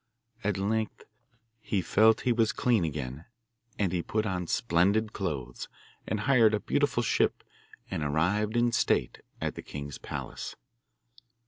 At length he felt he was clean again, and he put on splendid clothes, and hired a beautiful ship, and arrived in state at the king's palace.